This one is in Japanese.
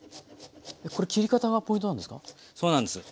これ切り方がポイントなんですか？